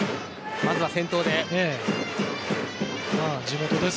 まずは先頭で。